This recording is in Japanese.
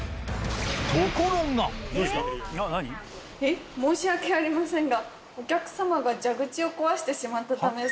えっ「申し訳ありませんが」。